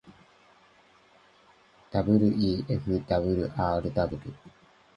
wefwrw